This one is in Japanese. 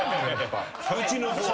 うちの子は。